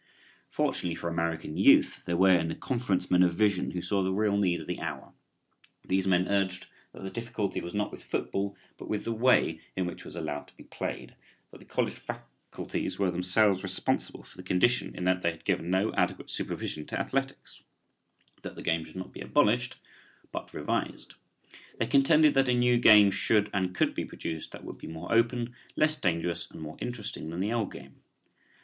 Fortunately for American youth there were in the conference men of vision who saw the real need of the hour. These men urged that the difficulty was not with football but with the way in which it was allowed to be played; that the college faculties were themselves responsible for the condition in that they had given no adequate supervision to athletics; that the game should not be abolished but revised. They contended that a new game should and could be produced that would be more open, less dangerous and more interesting than the old game.